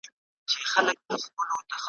نه څپلۍ نه به جامې د چا غلاکیږي ,